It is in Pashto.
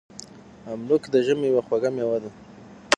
املوک د ژمي یوه خوږه میوه ده.